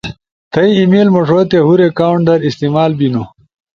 تھئی ای میل مݜو تے ہور اکاونٹ در استعمال بینو